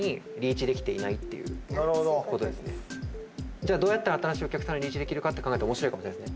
じゃあどうやったら新しいお客さんにリーチできるかって考えたら面白いかもしれないですね。